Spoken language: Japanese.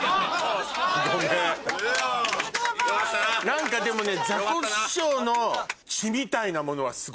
何かでもね。